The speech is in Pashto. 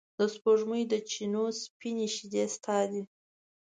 د سپوږمۍ د چېنو سپینې شیدې ستا دي